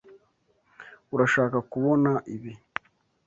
Urashaka kubona ibi.